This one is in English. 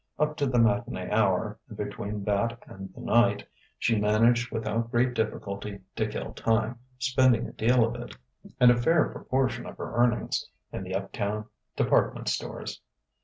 Up to the matinée hour, and between that and the night, she managed without great difficulty to kill time, spending a deal of it, and a fair proportion of her earnings, in the uptown department stores.